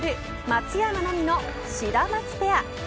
松山奈未のシダマツペア。